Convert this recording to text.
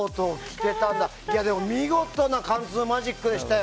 でも見事な貫通マジックでしたよ。